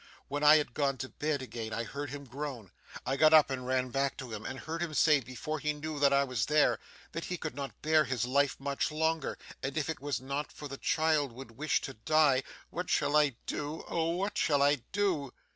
When I had gone to bed again, I heard him groan. I got up and ran back to him, and heard him say, before he knew that I was there, that he could not bear his life much longer, and if it was not for the child, would wish to die. What shall I do! Oh! What shall I do!